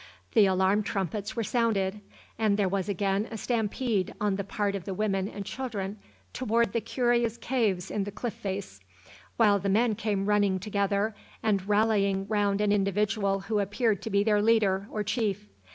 The alarm trumpets were sounded, and there was again a stampede on the part of the women and children toward the curious caves in the cliff face, while the men came running together and rallying round an individual who appeared to be their leader, or chief.